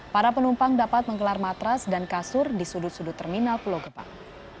para penumpang dapat menggelar matras dan kasur di sudut sudut terminal pulau gebang